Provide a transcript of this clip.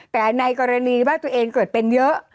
แต่ในกรณีว่าตัวเองเกิดเป็นเยอะ